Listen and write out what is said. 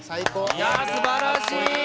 いやすばらしい！